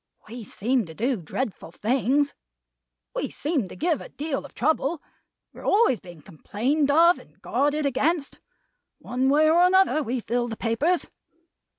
We seem to do dreadful things; we seem to give a deal of trouble; we are always being complained of and guarded against. One way or another, we fill the papers.